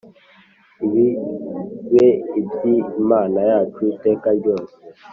ibibe iby Imana yacu iteka ryose